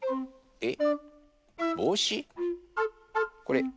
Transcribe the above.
えっ？